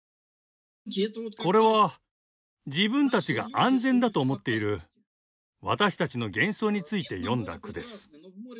これは自分たちが安全だと思っている私たちの幻想について詠んだ句です。